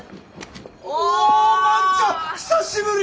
お万ちゃん久しぶり！